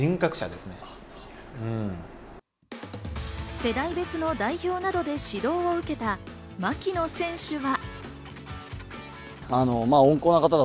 世代別の代表などで指導を受けた槙野選手は。